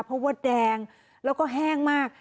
เพราะว่าแดงแล้วก็แห้งมาก